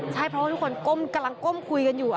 ใช่เพราะทุกคนกำกำคุยกันอยู่